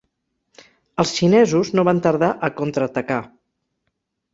Els xinesos no van tardar a contraatacar.